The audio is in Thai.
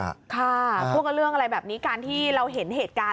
ค่ะพูดกับเรื่องอะไรแบบนี้การที่เราเห็นเหตุการณ์